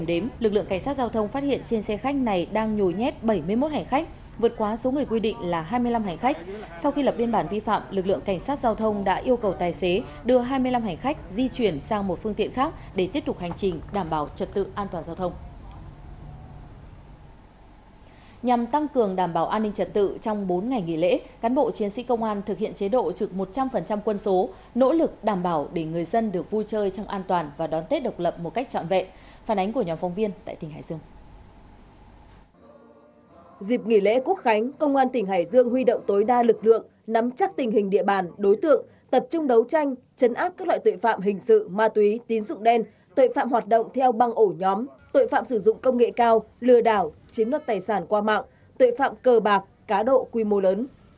dịp nghỉ lễ quốc khánh công an tỉnh hải dương huy động tối đa lực lượng nắm chắc tình hình địa bàn đối tượng tập trung đấu tranh chấn áp các loại tội phạm hình sự ma túy tín dụng đen tội phạm hoạt động theo băng ổ nhóm tội phạm sử dụng công nghệ cao lừa đảo chiếm đoạt tài sản qua mạng tội phạm cờ bạc cá độ quy mô lớn